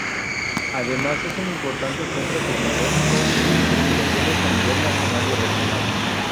Además es un importante centro Tecnológico y de Investigaciones a nivel nacional y regional.